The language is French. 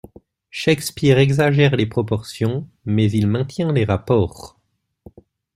—Shakspeare exagère les proportions, mais il maintient les rapports.